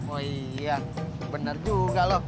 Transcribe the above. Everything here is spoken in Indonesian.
oh iya benar juga loh